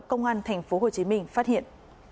công an tp hcm phát hiện